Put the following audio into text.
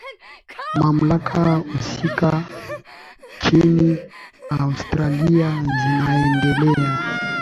mamlaka husika nchini australia zinaendelea